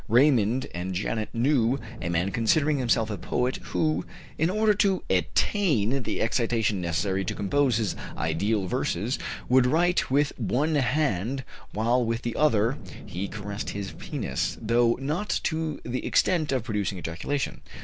Raymond and Janet knew a man considering himself a poet, who, in order to attain the excitation necessary to compose his ideal verses, would write with one hand while with the other he caressed his penis, though not to the extent of producing ejaculation.